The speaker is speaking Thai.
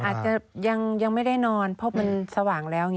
อาจจะยังไม่ได้นอนเพราะมันสว่างแล้ว